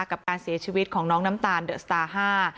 กับการเสียชีวิตของน้องน้ำตาลเดอะสตาร์ห้า